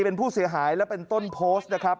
เป็นผู้เสียหายและเป็นต้นโพสต์นะครับ